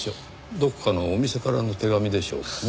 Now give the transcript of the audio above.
どこかのお店からの手紙でしょうかねぇ？